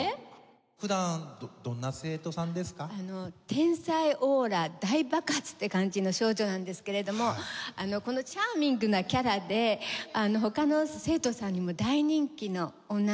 天才オーラ大爆発って感じの少女なんですけれどもこのチャーミングなキャラで他の生徒さんにも大人気の女の子です。